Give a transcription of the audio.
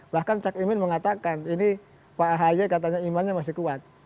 bahkan cak imin mengatakan ini pak ahy katanya imannya masih kuat